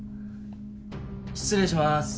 失礼します。